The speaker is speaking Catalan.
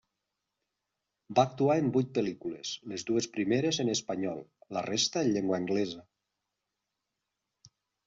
Va actuar en vuit pel·lícules, les dues primeres en espanyol, la resta en llengua anglesa.